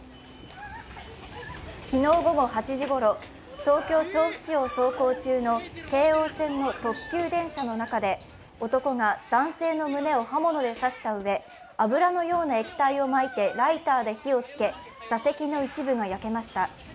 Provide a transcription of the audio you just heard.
昨日午後８時ごろ、東京・調布市を走行中の京王線の特急電車の中で男が男性の胸を刃物で刺したうえ、油のような液体をまいてライターで火を付け座席の一部が焼けました。